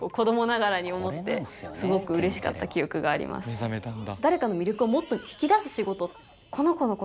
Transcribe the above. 目覚めたんだ。